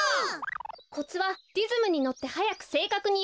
コツはリズムにのってはやくせいかくにいうこと。